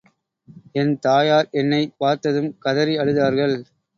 என் தாயார் என்னைப் பார்த்ததும் கதறி அழுதார்கள்.